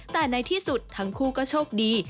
แต่ในที่สุดทั้งคู่ก็โชคดี